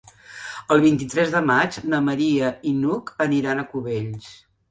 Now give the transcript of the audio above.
El vint-i-tres de maig na Maria i n'Hug aniran a Cubells.